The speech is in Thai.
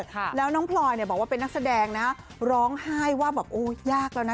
ค่ะแล้วน้องพลอยเนี่ยบอกว่าเป็นนักแสดงนะฮะร้องไห้ว่าแบบโอ้ยากแล้วนะ